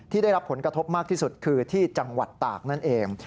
ได้รับผลกระทบมากที่สุดคือที่จังหวัดตากนั่นเอง